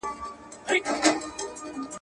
نصیب د جهاني په نوم یوه مینه لیکلې.